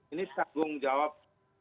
ini tanggung jawab